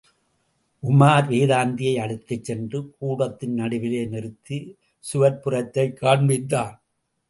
உமார், வேதாந்தியை அழைத்துச்சென்று கூடத்தின் நடுவிலே நிறுத்தி சுவர்ப்புறத்தைக் காண்பித்தான்.